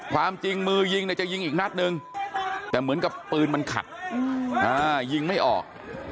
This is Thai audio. ความจริงมือยิงเนี่ยจะยิงอีกนัดนึงแต่เหมือนกับปืนมันขัดยิงไม่ออก